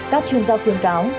các chuyên gia khuyên cáo